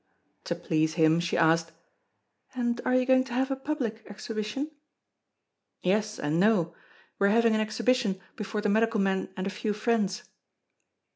To please him, she asked: "And are you going to have a public exhibition?" "Yes, and no. We are having an exhibition before the medical men and a few friends."